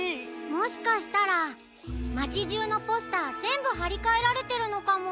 もしかしたらまちじゅうのポスターぜんぶはりかえられてるのかも。